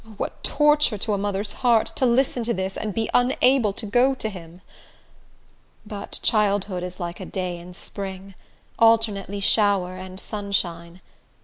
O, what torture to a mother's heart, to listen to this and be unable to go to him! But childhood is like a day in spring, alternately shower and sunshine.